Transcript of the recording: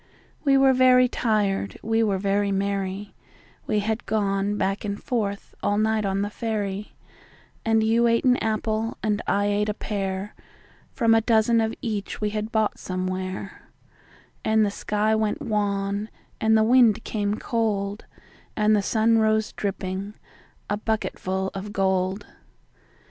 We were very tired, we were very merry We had gone back and forth all night on the ferry, And you ate an apple, and I ate a pear, From a dozen of each we had bought somewhere; And the sky went wan, and the wind came cold, And the sun rose dripping, a bucketful of gold.